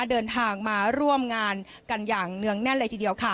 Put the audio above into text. เดินทางมาร่วมงานกันอย่างเนื่องแน่นเลยทีเดียวค่ะ